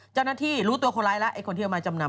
เจ้าหน้าที่รู้ตัวคนร้ายแล้วไอ้คนที่เอามาจำนำ